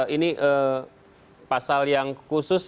ini pasal yang khusus